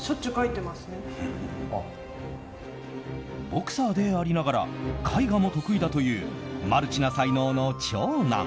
ボクサーでありながら絵画も得意だというマルチな才能の長男。